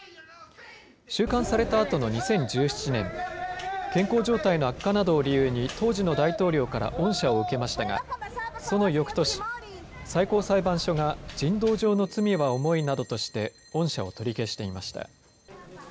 収監されたあとの２０１７年、健康状態の悪化などを理由に当時の大統領から恩赦を受けましたがそのよくとし、最高裁判所が人道上の罪は重いなどとして恩赦を取り消していました。